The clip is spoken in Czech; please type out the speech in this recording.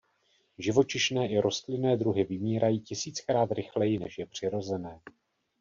Živočišné i rostlinné druhy vymírají tisíckrát rychleji, než je přirozené.